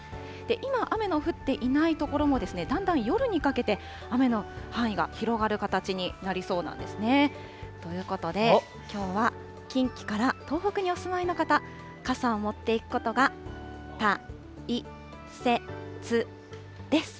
今、雨の降っていない所もですね、だんだん夜にかけて雨の範囲が広がる形になりそうなんですね。ということで、きょうは近畿から東北にお住まいの方、傘を持っていくことがたいせつです。